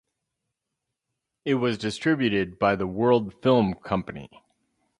It was distributed by the World Film Company.